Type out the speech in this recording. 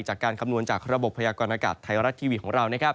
จากการคำนวณจากระบบพยากรณากาศไทยรัตน์ทีวีของเรานะครับ